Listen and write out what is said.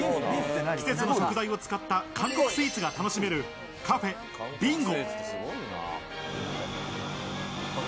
季節の食材を使った韓国スイーツが楽しめるカフェ、ビンゴ。